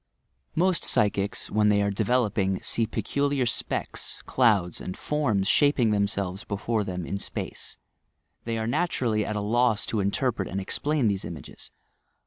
Most psychics, when they are developing, see peculiar specks, clouds and forms shaping themselves before them in space. They are naturally at a loss to interpret and explain these images.